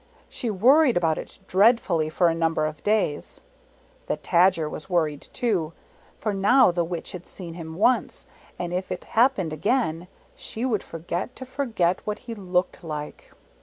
She worried about it dreadfully for a number of days. The Tadger was worried too, for now the Witch had seen him once, and if it happened again she would forget to forget what he looked like.